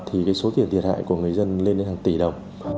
thì cái số tiền thiệt hại của người dân lên đến hàng tỷ đồng